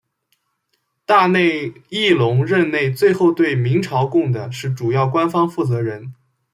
大内义隆任内最后两次对明朝贡的主要官方负责人。